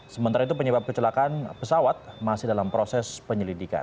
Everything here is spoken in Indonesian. sementara itu penyebab kecelakaan pesawat masih dalam proses penyelidikan